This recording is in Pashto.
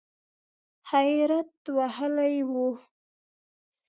حیرت وهلی و .